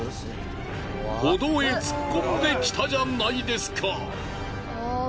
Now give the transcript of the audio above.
歩道へ突っ込んできたじゃないですか。